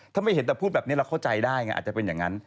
ถ้าไม่เห็นแต่พูดแบบนี้เราเข้าใจได้ไงอาจจะเป็นอย่างนั้น